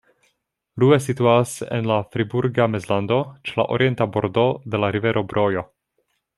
Rue situas en la Friburga Mezlando ĉe la orienta bordo de la rivero Brojo.